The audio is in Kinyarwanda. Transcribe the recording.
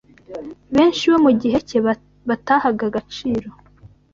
benshi bo mu gihe cye batahaga agaciro